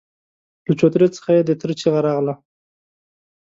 له چوترې څخه يې د تره چيغه راغله!